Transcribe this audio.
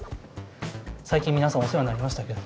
最近皆さんお世話になりましたけど。